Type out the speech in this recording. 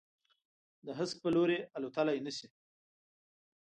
د هسک په لوري، الوتللای نه شي